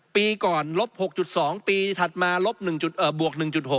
ปีก่อนลบ๖๒ปีถัดมาลบ๑บวก๑๖